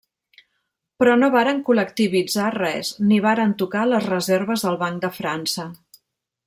Però no varen col·lectivitzar res, ni varen tocar les reserves del Banc de França.